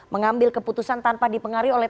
mengambil keputusan tanpa dipengaruhi oleh